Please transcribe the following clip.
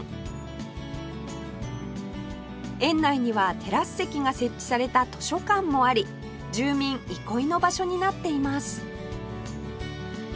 園内にはテラス席が設置された図書館もあり住民憩いの場所になっています